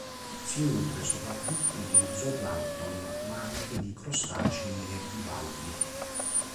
Si nutre soprattutto di zooplancton, ma anche di crostacei e bivalvi.